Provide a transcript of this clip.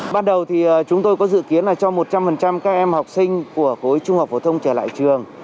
ban đầu thì chúng tôi có dự kiến là cho một trăm linh các em học sinh của khối trung học phổ thông trở lại trường